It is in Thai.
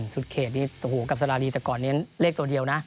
สุดเขตนี่กับสรารีแต่ก่อนนี้เลขตัวเดียวนะ